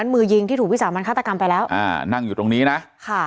ตรงนั้นมือยิงที่ถูกวิสักมันฆาตกรรมไปแล้วนั่งอยู่ตรงนี้นะค่ะ